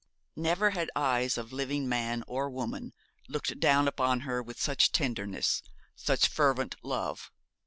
Never had eyes of living man or woman looked down upon her with such tenderness, such fervent love.